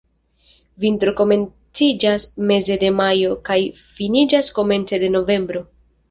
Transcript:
Vintro komenciĝas meze de majo kaj finiĝas komence de novembro.